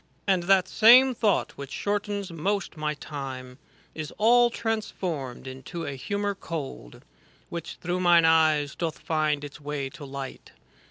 And that same thought which shortens most my time Is all transformed into a humour cold. Which, through mine eyes, doth find its way to light.